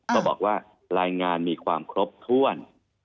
ก็บอกว่ารายงานมีความครบถ้วน